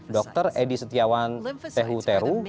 dokter edi setiawan tehuteru